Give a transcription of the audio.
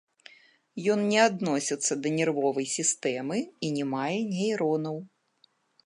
Ён не адносіцца да нервовай сістэмы і не мае нейронаў.